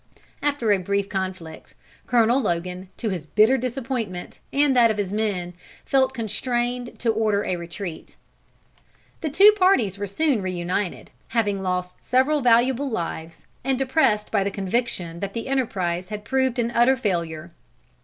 After a brief conflict, Colonel Logan, to his bitter disappointment and that of his men, felt constrained to order a retreat. The two parties were soon reunited, having lost several valuable lives, and depressed by the conviction that the enterprise had proved an utter failure.